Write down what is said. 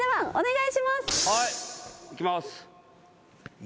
いきます。